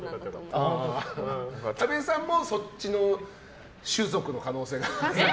多部さんもそっちの種族の可能性が。